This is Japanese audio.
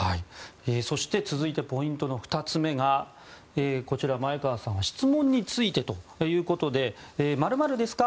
そして続いてポイントの２つ目が前川さんは質問についてということで○○ですか？